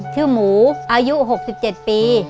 ชื่อหมูอายุ๖๗ปี